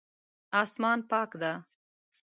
اسمان پاک ده